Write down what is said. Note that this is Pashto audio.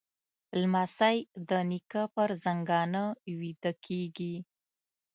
لمسی د نیکه پر زنګانه ویده کېږي.